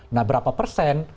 nah berapa persen